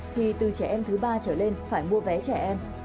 thì từ trẻ em thứ ba trở lên phải mua vé trẻ em